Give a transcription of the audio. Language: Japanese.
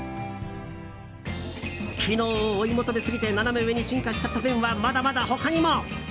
機能を追い求めすぎてナナメ上に進化しちゃったペンはまだまだ他にも。